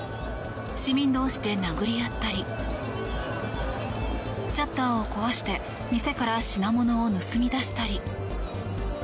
市民同士で殴り合ったりシャッターを壊して店から品物を盗み出したり。